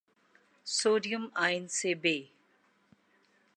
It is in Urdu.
سوڈئیم آئن سے ب